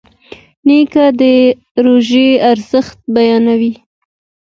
نیکه د روژې ارزښت بیانوي.